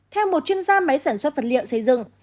theo một chuyên gia máy sản xuất vật liệu xây dựng